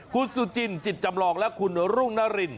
คุณสุจินจิตจำลองและคุณรุ่งนาริน